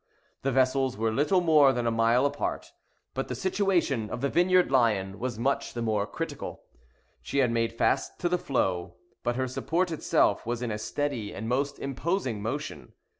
The vessels were little more than a mile apart, but the situation of the Vineyard Lion was much the more critical. She had made fast to the floe, but her support itself was in a steady and most imposing motion.